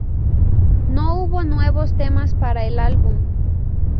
No hubo nuevos temas para el álbum.